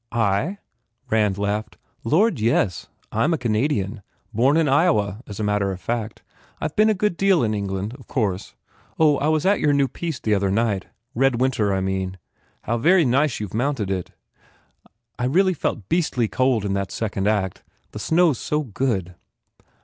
"I?" Rand laughed, "Lord, yes. I m a Canadian. Born in Iowa, as a matter of fact. I ve been a good deal in England, of course. Oh, I was at your new piece the other night. Red Winter, I mean. How very nicely you ve 71 THE FAIR REWARDS mounted it. I really felt beastly cold in that second act. The snow s so good."